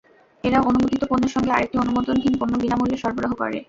এরাও অনুমোদিত পণ্যের সঙ্গে আরেকটি অনুমোদনহীন পণ্য বিনা মূল্যে সরবরাহ করে।